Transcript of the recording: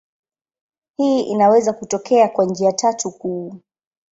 Hii inaweza kutokea kwa njia tatu kuu.